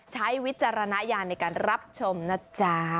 วิจารณญาณในการรับชมนะจ๊ะ